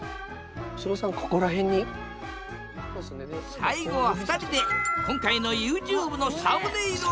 最後は２人で今回のＹｏｕＴｕｂｅのサムネイルを撮影！